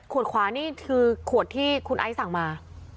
ขวานี่คือขวดที่คุณไอซ์สั่งมา